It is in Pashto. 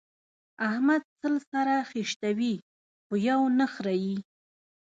احمد سل سره خيشتوي؛ خو يو نه خرېي.